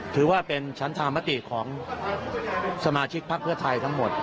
ถือว่าเป็นชั้นธามติของสมาชิกพักเพื่อไทยทั้งหมด